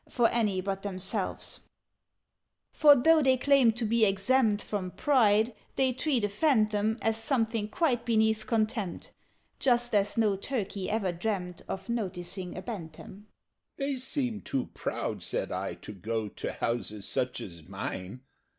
For any but themselves: "For, though they claim to be exempt From pride, they treat a Phantom As something quite beneath contempt Just as no Turkey ever dreamt Of noticing a Bantam." "They seem too proud," said I, "to go To houses such as mine.